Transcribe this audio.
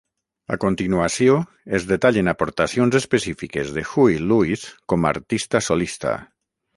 A continuació, es detallen aportacions específiques de Huey Lewis com a artista solista.